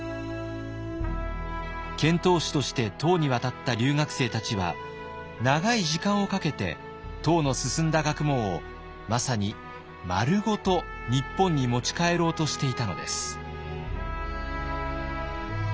遣唐使として唐に渡った留学生たちは長い時間をかけて唐の進んだ学問をまさにまるごと日本に持ち帰ろうとしていたのです。